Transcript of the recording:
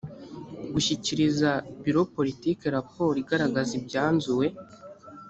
gushyikiriza biro politiki raporo igaragaza ibyanzuwe